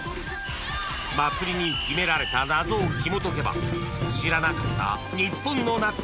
［祭りに秘められた謎をひもとけば知らなかった］